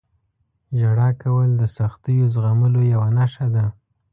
• ژړا کول د سختیو زغملو یوه نښه ده.